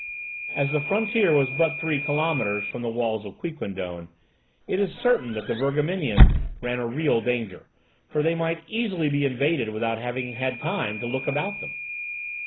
As the frontier was but three kilometers from the walls of Quiquendone, it is certain that the Virgamenians ran a real danger, for they might easily be invaded without having had time to look about them.